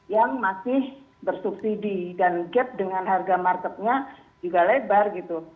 yang masih bersubsidi dan gap dengan harga marketnya juga lebar gitu